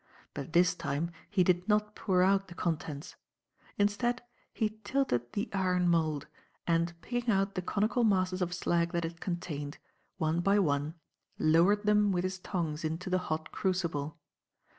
But this time he did not pour out the contents. Instead, he tilted the iron mould, and, picking out the conical masses of slag that it contained, one by one, lowered them with his tongs into the hot crucible.